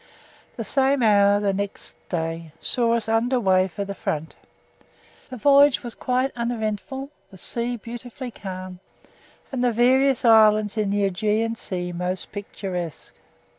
The same hour the next day saw us under weigh for the front. The voyage was quite uneventful, the sea beautifully calm, and the various islands in the Egean Sea most picturesque.